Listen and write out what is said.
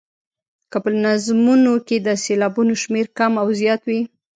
که په نظمونو کې د سېلابونو شمېر کم او زیات وي.